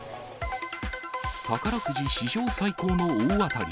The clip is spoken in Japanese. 宝くじ史上最高の大当たり。